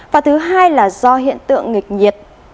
và thứ hai là do hiện tượng nghịch nhiệt